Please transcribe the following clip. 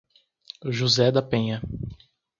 José da Penha